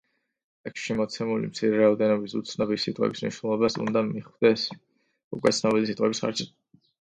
ტექსტში მოცემული მცირე რაოდენობის უცნობი სიტყვების მნიშვნელობას უნდა მიხვდეს უკვე ცნობილი სიტყვების ხარჯზე.